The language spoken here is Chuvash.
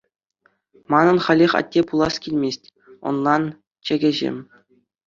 Манӑн халех атте пулас килмест, ӑнлан, чӗкеҫӗм.